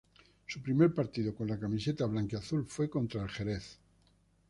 Su primer partido con la camiseta "blanquiazul" fue contra el Xerez.